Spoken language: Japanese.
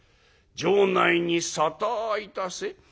城内に沙汰いたせ」。